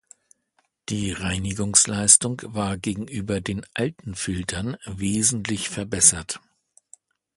Die Reinigungsleistung war gegenüber den alten Filtern wesentlich verbessert.